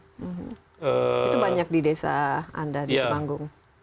itu banyak di desa anda di temanggung